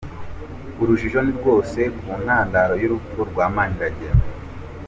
Urujijo ni rwose ku ntandaro y’urupfu rwa Maniragena